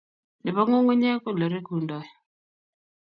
Nebo ngungunyek Oleregundoi